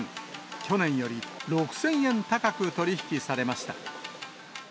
去年より６０００円高く取り引きされました。